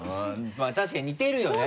まぁ確かに似てるよね。